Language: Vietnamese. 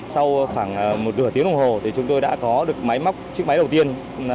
sau khoảng một nửa tiếng đồng hồ chúng tôi đã có được máy móc chiếc máy đầu tiên